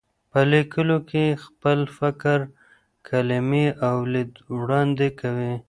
په لیکلو کې خپل فکر، کلمې او لید وړاندې کوي.